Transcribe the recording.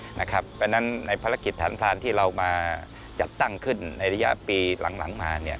เพราะฉะนั้นในภารกิจฐานพรานที่เรามาจัดตั้งขึ้นในระยะปีหลังมา